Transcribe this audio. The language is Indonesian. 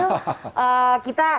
dan sudah mau azan maghrib kang emil